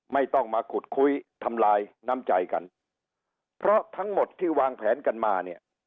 ไม่ต้องมาขุดคุยทำลายน้ำใจกันเพราะทั้งหมดที่วางแผนกันมาเนี่ย